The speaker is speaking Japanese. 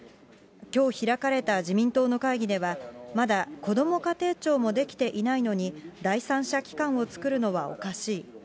きょう開かれた自民党の会議では、まだ、こども家庭庁も出来ていないのに、第三者機関を作るのはおかしい。